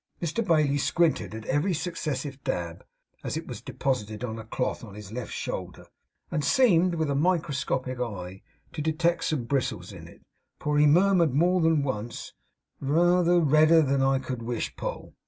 Mr Bailey squinted at every successive dab, as it was deposited on a cloth on his left shoulder, and seemed, with a microscopic eye, to detect some bristles in it; for he murmured more than once 'Reether redder than I could wish, Poll.